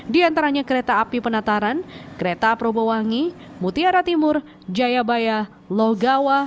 di antaranya kereta api penataran kereta probowangi mutiara timur jayabaya logawa